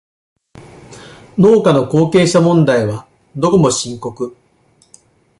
農家の後継者問題はどこも深刻